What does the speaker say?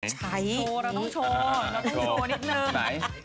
โชว์แล้วต้องโชว์ต้องโชว์นิดหนึ่ง